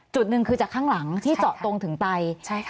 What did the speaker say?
จุดหนึ่งคือจากข้างหลังที่เจาะตรงถึงไต